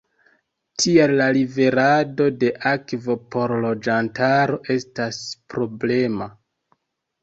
Tial la liverado de akvo por loĝantaro estas problema.